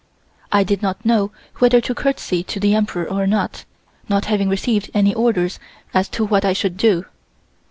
I did not know whether to courtesy to the Emperor or not, not having received any orders as to what I should do.